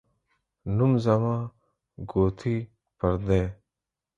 نوم زما ، گوتي پردۍ.